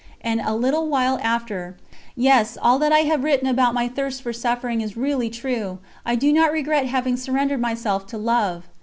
..." And a little while after: "Yes, all that I have written about my thirst for suffering is really true! I do not regret having surrendered myself to Love."